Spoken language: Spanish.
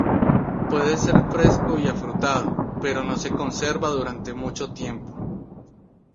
Puede ser fresco y afrutado, pero no se conserva durante mucho tiempo.